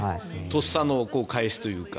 とっさの返しというか。